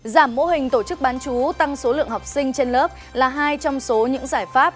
giảm mô hình tổ chức bán chú tăng số lượng học sinh trên lớp là hai trong số những giải pháp